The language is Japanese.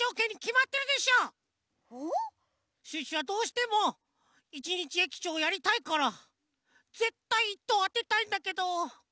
シュッシュはどうしても一日駅長やりたいからぜったい１とうあてたいんだけど。